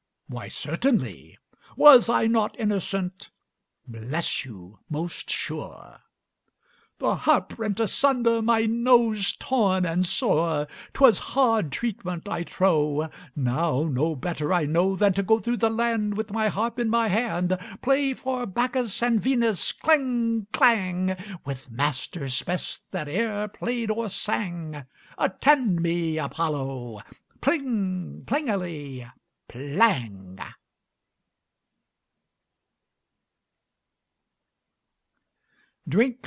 "Why, certainly!" "Was I not innocent?" "Bless you, most sure!" "The harp rent asunder, my nose torn and sore, Twas hard treatment, I trow! Now no better I know Than to go through the land With my harp in my hand, Play for Bacchus and Venus kling klang With masters best that e'er played or sang; Attend me, Apollo! pling plingeli plang."